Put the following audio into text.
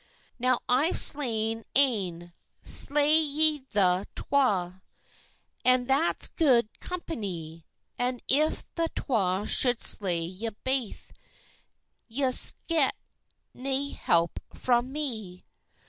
"Now, I've slayne ane; slay ye the twa; And that's gude companye; And if the twa shou'd slay ye baith, Ye'se get nae help frae me."